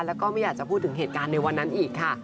แล้วก็ไม่อยากจะพูดถึงเหตุการณ์ในวันนั้นอีกค่ะ